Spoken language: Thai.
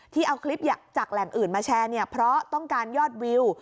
เอาคลิปจากแหล่งอื่นมาแชร์เนี่ยเพราะต้องการยอดวิว